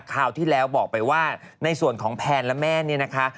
คราวที่แล้วบอกไปว่าในส่วนของแพนและแม่เนี่ยนะคะ